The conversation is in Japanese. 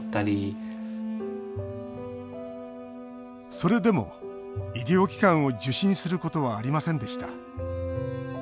それでも医療機関を受診することはありませんでした。